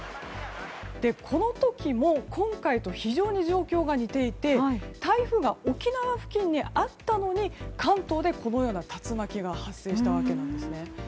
この時も今回と非常に状況が似ていて台風が沖縄付近にあったのに関東でこのような竜巻が発生したわけなんです。